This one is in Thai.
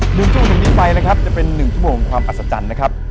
หนึ่งชั่วโมงถึงนี้ไปนะครับจะเป็นหนึ่งชั่วโมงของความอัศจรรย์นะครับ